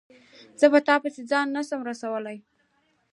زه په تا پسي ځان نه سم رسولای